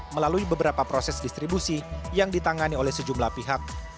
melalui beberapa proses distribusi yang ditangani oleh sejumlah pihak